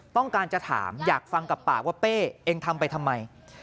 ต้องการจะถามอยากฟังกับปากว่าเป้เองทำไปทำไม